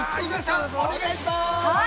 お願いします。